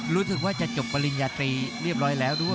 รู้สึกว่าจะจบปริญญาตรีเรียบร้อยแล้วด้วย